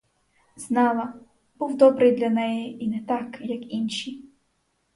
Знала, був добрий для неї і не так, як інші.